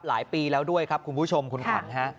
หลายปีแล้วด้วยครับคุณผู้ชมคุณขวัญฮะ